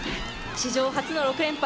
史上初の６連覇。